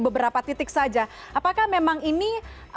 beberapa titik saja apakah memang ini